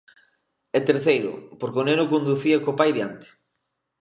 E terceiro, porque o neno conducía co pai diante.